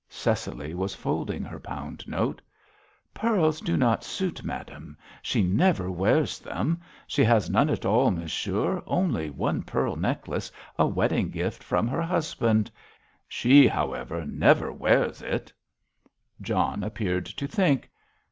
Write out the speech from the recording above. Cecily was folding her pound note. "Pearls do not suit madame; she never wears them. She has none at all, monsieur, only one pearl necklace, a wedding gift from her husband. She, however, never wears it." John appeared to think.